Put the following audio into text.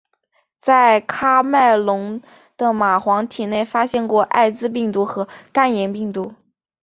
在喀麦隆的蚂蟥体内发现过艾滋病毒和肝炎病毒。